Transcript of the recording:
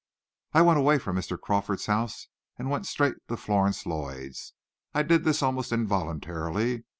I went away from Mr. Crawford's house, and went straight to Florence Lloyd's. I did this almost involuntarily.